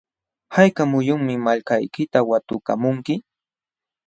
¿hayka muyunmi malkaykita watukamunki?